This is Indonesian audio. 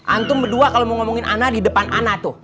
antum berdua kalau mau ngomongin ana di depan ana tuh